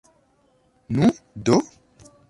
Nu, do?